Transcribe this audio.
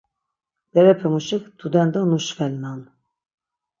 Berepemuşik tudendo nuşvelnan.